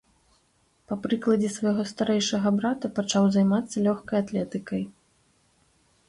Па прыкладзе свайго старэйшага брата пачаў займацца лёгкай атлетыкай.